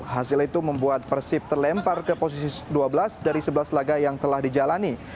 hasil itu membuat persib terlempar ke posisi dua belas dari sebelas laga yang telah dijalani